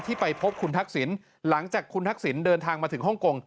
ที่ไปพบคุณทักศิลป์หลังจากคุณทักศิลป์เดินทางมาถึงฮ่องกง